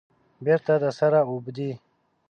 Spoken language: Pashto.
بیرته د سره اوبدي